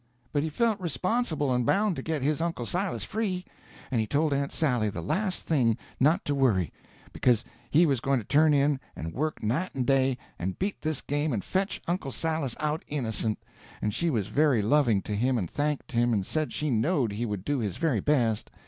But he felt responsible and bound to get his uncle Silas free; and he told Aunt Sally, the last thing, not to worry, because he was going to turn in and work night and day and beat this game and fetch Uncle Silas out innocent; and she was very loving to him and thanked him and said she knowed he would do his very best.